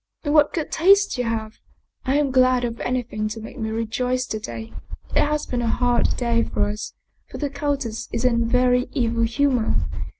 " And what good taste you have ! I am glad of anything to make me rejoice to day. It has been a hard day for us, for the countess is in a very evil humor.